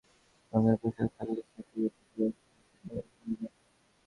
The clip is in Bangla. অন্য কোনো নারীর পরনে লাল রঙের পোশাক থাকলে সেটিকে নেতিবাচক দৃষ্টিতে দেখেন নারীরা।